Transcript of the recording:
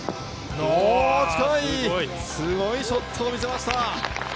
すごいショットを見せました。